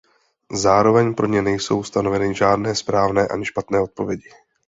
Zároveň pro ně nejsou stanoveny žádné správné ani špatné odpovědi.